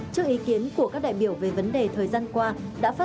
trước ý kiến của các đại biểu về vấn đề thời gian qua